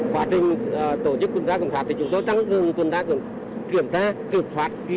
quá trình tổ chức quân gia kiểm soát thì chúng tôi chẳng gừng quân gia kiểm soát